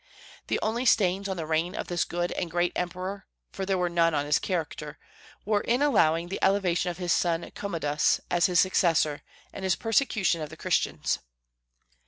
The only stains on the reign of this good and great emperor for there were none on his character were in allowing the elevation of his son Commodus as his successor, and his persecution of the Christians.